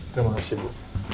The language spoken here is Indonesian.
terima kasih bu